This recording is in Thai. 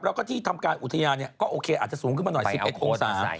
แล้วก็ที่ทำการอุทยานก็โอเคอาจจะสูงขึ้นมาหน่อย๑๑องศา